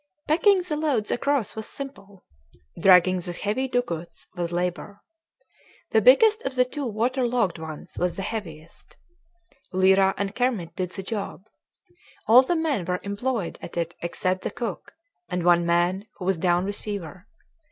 Packing the loads across was simple. Dragging the heavy dugouts was labor. The biggest of the two water logged ones was the heaviest. Lyra and Kermit did the job. All the men were employed at it except the cook, and one man who was down with fever.